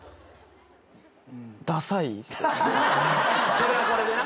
これはこれでな。